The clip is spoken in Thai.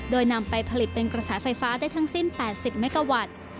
โดยนำไปผลิตเป็นกระแสไฟฟ้าได้ทั้งสิ้น๘๐เมกาวัตต์